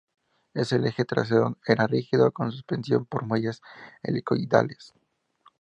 El eje trasero era rígido, con suspensión por muelles helicoidales.